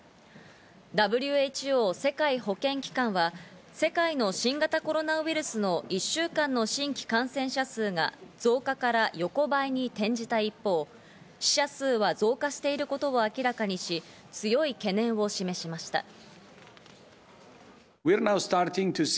ＷＨＯ＝世界保健機関は世界の新型コロナウイルスの１週間の新規感染者数が増加から横ばいに転じた一方、死者数は増加していることを明らかにし、強い懸念を示しました。